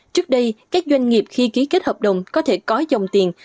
trước đây các doanh nghiệp khi ký kết hợp đồng có thể có dòng tiền